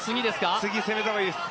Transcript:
次、攻めた方がいいです。